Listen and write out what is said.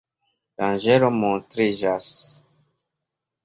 Danĝero montriĝas.